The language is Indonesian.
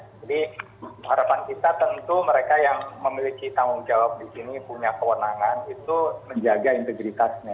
jadi harapan kita tentu mereka yang memiliki tanggung jawab di sini punya kewenangan itu menjaga integritasnya